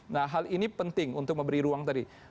nah hal ini penting untuk memberi ruang tadi